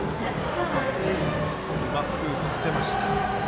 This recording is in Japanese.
うまく打たせました。